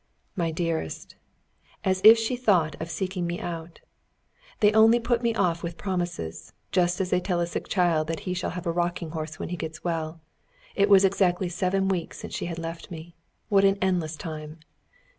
My dearest! As if she thought of seeking me out! They only put me off with promises, just as they tell a sick child that he shall have a rocking horse when he gets well. It was exactly seven weeks since she had left me. What an endless time!